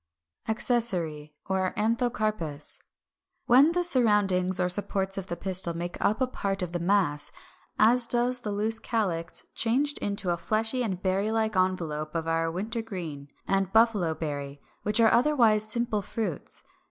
Compare with Fig. 375.] Accessory or Anthocarpous, when the surroundings or supports of the pistil make up a part of the mass; as does the loose calyx changed into a fleshy and berry like envelope of our Wintergreen (Gaultheria, Fig. 366, 367) and Buffalo berry, which are otherwise simple fruits.